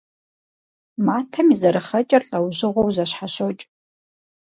Матэм и зэрыхъэкӏэр лӏэужьыгъуэу зэщхьэщокӏ.